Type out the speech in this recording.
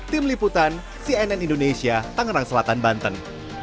tim liputan cnn indonesia tangerang selatan banten